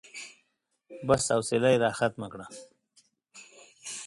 بس، حوصله يې راختمه کړه.